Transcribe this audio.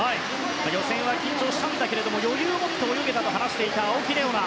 予選は緊張したんだけれど余裕を持って泳げたと話した青木玲緒樹。